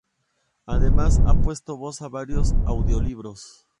Además ha puesto voz a varios audiolibros.